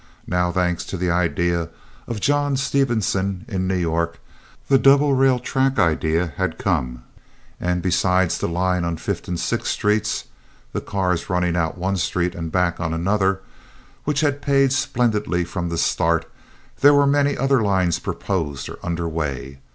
Now, thanks to the idea of John Stephenson, in New York, the double rail track idea had come, and besides the line on Fifth and Sixth Streets (the cars running out one street and back on another) which had paid splendidly from the start, there were many other lines proposed or under way.